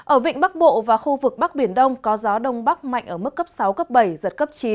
ở vịnh bắc bộ và khu vực bắc biển đông có gió đông bắc mạnh ở mức cấp sáu cấp bảy giật cấp chín